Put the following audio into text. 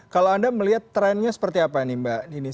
kalau anda melihat trennya seperti apa nih mbak dini